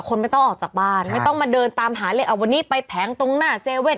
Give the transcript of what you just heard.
ไม่ต้องออกจากบ้านไม่ต้องมาเดินตามหาเลยเอาวันนี้ไปแผงตรงหน้าเซเว่น